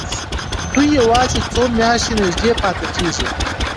دوی یوازې څو میاشتې نږدې پاتې کېږي.